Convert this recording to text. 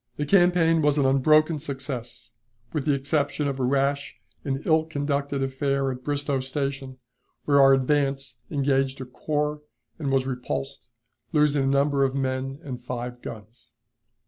The campaign was an unbroken success, with the exception of a rash and ill conducted affair at Bristoe Station, where our advance engaged a corps, and was repulsed, losing a number of men and five guns.